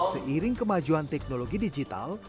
seiring kemajuan teknologi digital